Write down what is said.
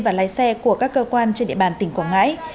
và lái xe của các cơ quan trên địa bàn tỉnh quảng ngãi